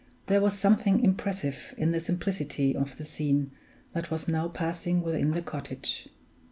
There was something impressive in the simplicity of the scene that was now passing within the cottage.